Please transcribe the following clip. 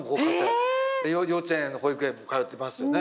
幼稚園保育園も通っていますよね。